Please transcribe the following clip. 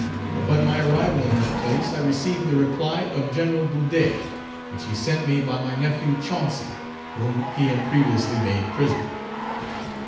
Upon my arrival in that place, I received the reply of Gen. Boudet, which he sent me by my nephew Chancy, whom he had previously made prisoner.